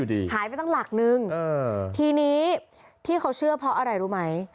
หายไปตั้งหลักนึงทีนี้ที่เขาเชื่อเพราะอะไรรู้ไหม